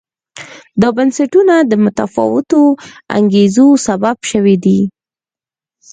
دا بنسټونه د متفاوتو انګېزو سبب شوي دي.